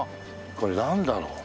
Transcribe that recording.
これなんだろう？